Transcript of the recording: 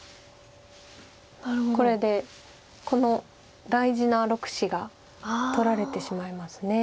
これでこの大事な６子が取られてしまいます。